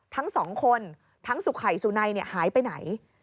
ทั้งสองคนทั้งสุขัยสุนัยหายไปไหน